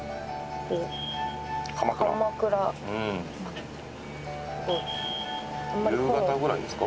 「鎌倉」「鎌倉」「夕方ぐらいですか？